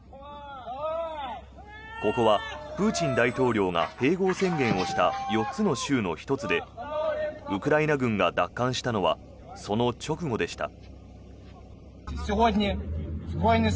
ここはプーチン大統領が併合宣言をした４つの州の１つでウクライナ軍が奪還したのはその直後でした。